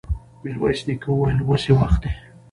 ميرويس نيکه وويل: اوس يې وخت دی!